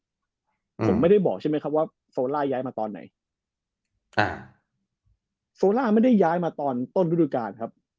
ผมไม่ได้บอกใช่ไหมครับว่าโซล่าย้ายมาตอนไหนอ่าโซล่าไม่ได้ย้ายมาตอนต้นฤดูกาลครับ